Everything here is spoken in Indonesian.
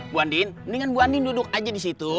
buandien mendingan buandien duduk aja di situ